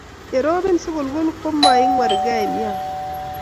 Ye robin sugulgul ko muing'wergei miaing